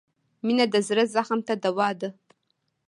• مینه د زړه زخم ته دوا ده.